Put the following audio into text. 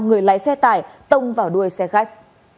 người lái xe tải tông vào đuôi xe khách